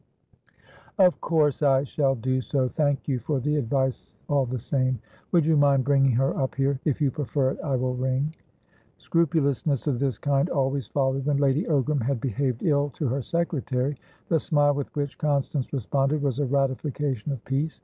"Of course I shall do so; thank you for the advice, all the same. Would you mind bringing her up here? If you prefer it, I will ring." Scrupulousness of this kind always followed when Lady Ogram had behaved ill to her secretary. The smile with which Constance responded was a ratification of peace.